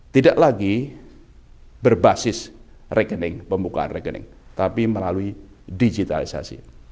tidak lagi berbasis rekening pembukaan rekening tapi melalui digitalisasi